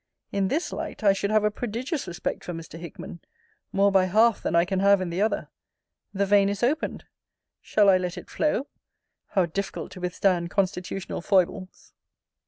In this light, I should have a prodigious respect for Mr. Hickman; more by half than I can have in the other. The vein is opened Shall I let it flow? How difficult to withstand constitutional foibles!